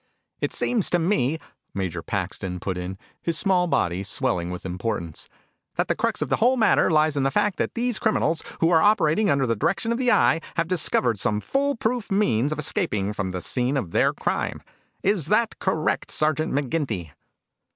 "It seems to me," Major Paxton put in, his small body swelling with importance, "that the crux of the whole matter lies in the fact that these criminals, who are operating under the direction of the Eye, have discovered some fool proof means of escaping from the scene of their crime. Is that correct, Sergeant McGinty?"